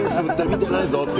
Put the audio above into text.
見てないぞって。